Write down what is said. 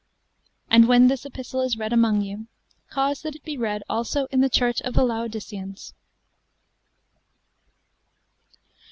And when this epistle is read among you, cause that it be read also in the church of the Laodiceans.